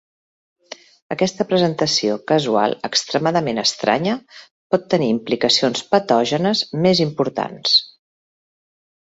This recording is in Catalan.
Aquesta presentació casual extremadament estranya pot tenir implicacions patògenes més importants.